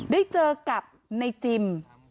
ได้เจอกับในจิม